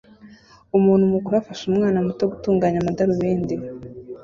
Umuntu mukuru afasha umwana muto gutunganya amadarubindi